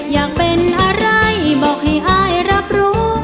อยากเป็นอะไรบอกให้อายรับรู้